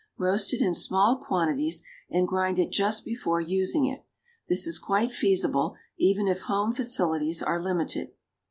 Roast it in small quantities, and grind it just before using it; this is quite feasible, even if home facilities are limited.